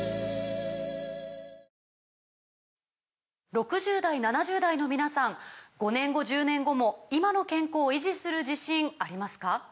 ６０代７０代の皆さん５年後１０年後も今の健康維持する自信ありますか？